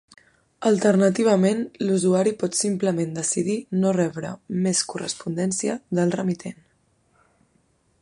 Alternativament, l'usuari pot simplement decidir no rebre més correspondència del remitent.